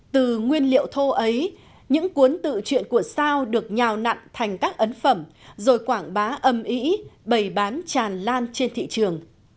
từ nguyên liệu thô ấy những cuốn tự chuyện của sao được nhào nặng thành các ấn phẩm rồi quảng bá âm ý bày bán tràn lan trên thị trường